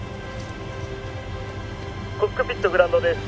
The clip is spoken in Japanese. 「コックピットグランドです」